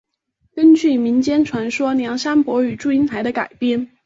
根据民间传说梁山伯与祝英台的改编。